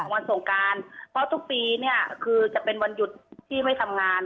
วันสงการเพราะทุกปีเนี่ยคือจะเป็นวันหยุดที่ไม่ทำงาน